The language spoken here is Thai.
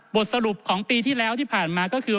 บทสรุปของปีที่แล้วที่ผ่านมาก็คือ